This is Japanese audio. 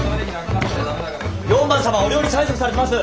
４番様お料理催促されてます！